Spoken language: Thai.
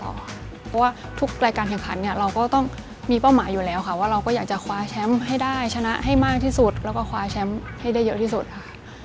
เพราะว่าทุกรายการแข่งขันเนี่ยเราก็ต้องมีเป้าหมายอยู่แล้วค่ะว่าเราก็อยากจะคว้าแชมป์ให้ได้ชนะให้มากที่สุดแล้วก็คว้าแชมป์ให้ได้เยอะที่สุดค่ะ